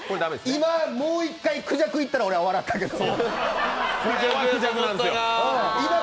今、もう１回くじゃくいったら俺、笑ったけど。